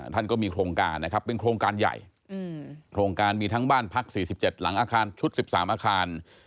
ท่านก็มีโครงการนะครับเป็นโครงการใหญ่โครงการมีทั้งบ้านพัก๔๗หลังอาคารชุด๑๓อาคาร